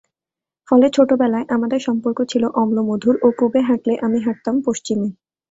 ফলে ছোটবেলায় আমাদের সম্পর্ক ছিল অম্লমধুর—ও পুবে হাঁটলে আমি হাঁটতাম পশ্চিমে।